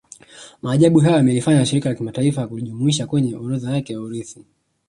Maajabu hayo yamelifanya Shirika la Kimataifa kulijumlisha kwenye orodha yake ya urithi